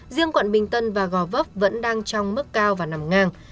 riêng quận bình tân và gò vấp vẫn đang trong mức cao và nằm ngang